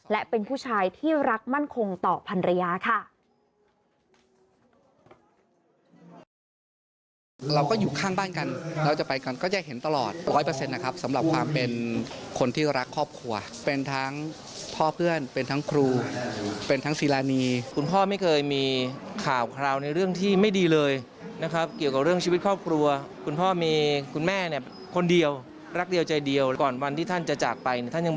และเป็นผู้ชายที่รักมั่นคงต่อพันรยาค่ะ